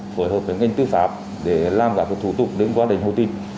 phối hợp với bên kênh tư pháp để làm cả các thủ tục đến quá trình hội tin